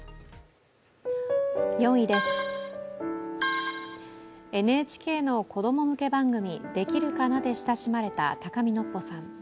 ４位です、ＮＨＫの子供向け番組「できるかな」で親しまれた高見のっぽさん。